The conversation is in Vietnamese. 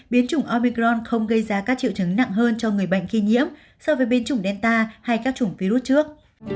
biến chủng omicron không gây ra các triệu chứng nặng hơn cho người bệnh khi nhiễm so với biến chủng delta hay các chủng virus trước